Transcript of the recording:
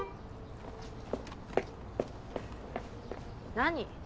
何？